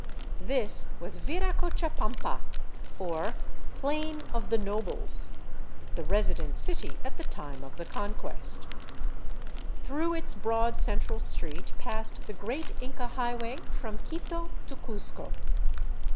This was Viracochapampa, or " Plain of the Nobles," the resi dent city at the time of the Conquest. Through its broad central street passed the great Inca highway from Quito to Cuzco.